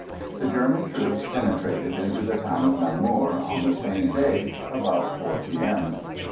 The German troops penetrated into the town of Namur on the same day about 4 p. m.